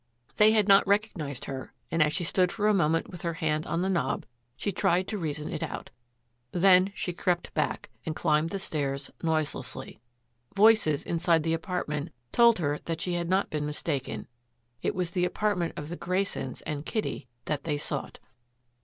They had not recognized her, and as she stood for a moment with her hand on the knob, she tried to reason it out. Then she crept back, and climbed the stairs noiselessly. Voices inside the apartment told her that she had not been mistaken. It was the apartment of the Graysons and Kitty that they sought.